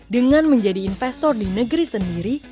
dengan menjadi investor di negeri sendiri